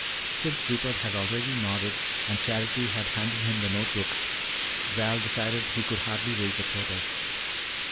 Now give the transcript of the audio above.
Since Rupert had already nodded and Charity had handed him the note book, Val decided that he could hardly raise a protest.